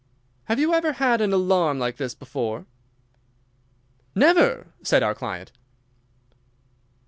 "Have you ever had an alarm like this before?" "Never," said our client.